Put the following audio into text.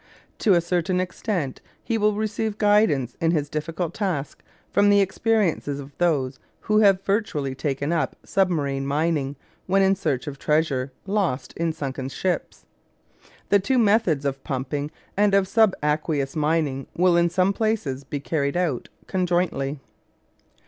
To a certain extent he will receive guidance in his difficult task from the experiences of those who have virtually undertaken submarine mining when in search of treasure lost in sunken ships. The two methods of pumping and of subaqueous mining will in some places be carried out conjointly.